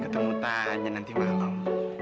ketemu tanya nanti malam